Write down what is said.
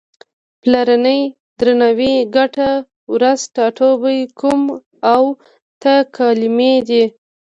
پلرنی، درناوی، ګټه، ورځ، ټاټوبی، کوم او ته کلمې دي.